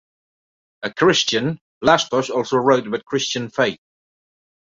A Christian, Vlastos also wrote about Christian faith.